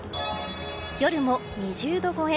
夜も２０度超え。